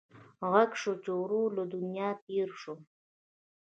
غږ شو چې ورور له دنیا تېر شو.